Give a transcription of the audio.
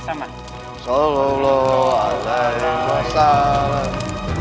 hahaha matilah kau jaya sangar